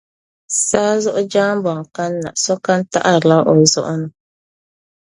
Saazuɣu jambɔŋ kan’ na, sokam taɣirila o zuɣu ni.